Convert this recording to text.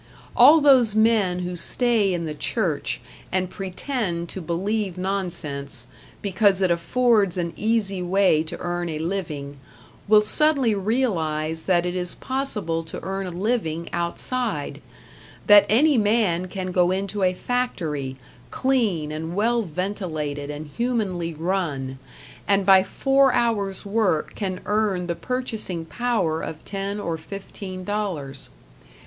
All those men who stay in the Church and pretend to believe nonsense, because it affords an easy way to earn a living, will suddenly realize that it is possible to earn a living outside; that any man can go into a factory, clean and well ventilated and humanly run, and by four hours work can earn the purchasing power of ten or fifteen dollars.